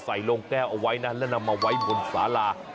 ใส่ลงแก้ออกไว้แล้วนำมาไว้บนศาลา